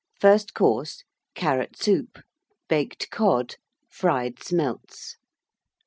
FIRST COURSE. Carrot Soup. Baked Cod. Fried Smelts.